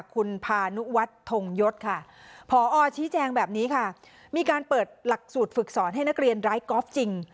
คุณพานุวัฒน์ทงยศค่ะพอชี้แจงแบบนี้ค่ะมีการเปิดหลักสูตรฝึกสอนให้นักเรียนร้ายกอล์ฟจริง